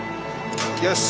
よし。